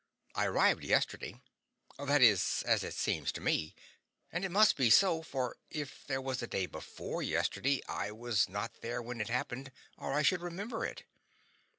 I arrived yesterday. That is as it seems to me. And it must be so, for if there was a day before yesterday I was not there when it happened, or I should remember it.